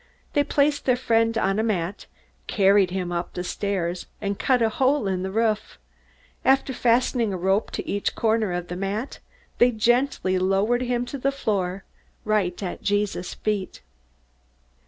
They placed their friend on a mat, carried him up the stairs, and cut a hole in the roof. After fastening a rope to each corner of the mat, they gently lowered it to the floor, right at Jesus' feet.